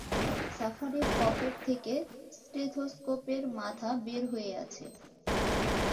সাফারির pocket থেকে ষ্টেথোসকোপের মাথা বের হয়ে আছে!